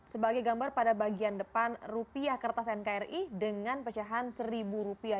sebagai gambar pada bagian depan rupiah kertas nkri dengan pecahan seribu ribu rupiah